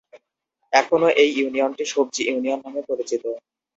এখনো এই ইউনিয়নটি সবজি ইউনিয়ন নামে পরিচিত।